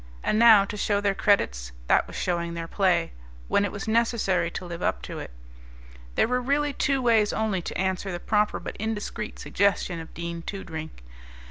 And now to show their credits that was showing their play, when it was necessary to live up to it. There were really two ways only to answer the proper but indiscreet suggestion of Dean Toodrink.